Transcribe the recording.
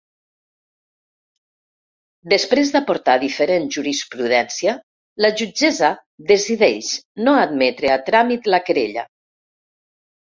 Després d’aportar diferent jurisprudència, la jutgessa decideix no admetre a tràmit la querella.